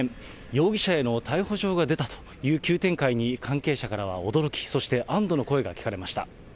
容疑者への逮捕状が出たという急展開に関係者からは驚き、そして安どの声が聞かれました。